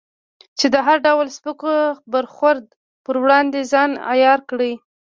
چې د هر ډول سپک برخورد پر وړاندې ځان عیار کړې.